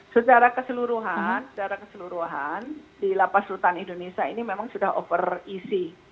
secara keseluruhan secara keseluruhan di lapas rutan indonesia ini memang sudah over easy